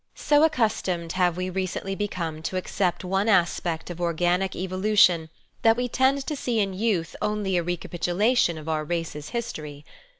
So accustomed have we recently become to accept one aspect of organic evolution, that we tend to see in youth only a recapitulation of our race's history.